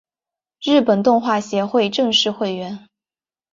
日本动画协会正式会员。